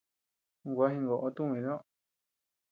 Gua jingoʼo tumi toʼö.